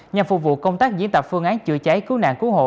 nhằm phục vụ công tác diễn tập phương án chữa cháy cứu nạn cứu hộ